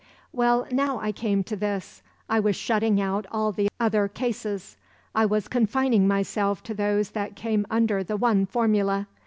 "Well, now I came to this. I was shutting out all the other cases. I was confining myself to those that came under the one formula.